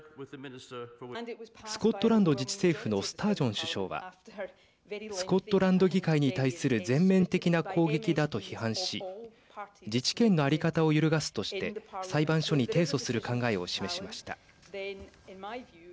スコットランド自治政府のスタージョン首相はスコットランド議会に対する全面的な攻撃だと批判し自治権の在り方を揺るがすとして裁判所に提訴する考えを示しました。